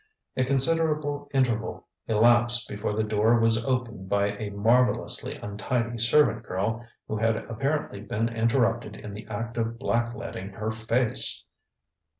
A considerable interval elapsed before the door was opened by a marvellously untidy servant girl who had apparently been interrupted in the act of black leading her face.